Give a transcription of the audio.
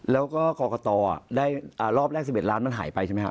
แล้วก็กรกตได้รอบแรก๑๑ล้านมันหายไปใช่ไหมครับ